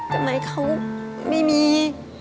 ทำไมเขาไม่มี